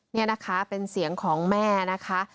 นี่นะคะเป็นเสียงของแม่นะคะ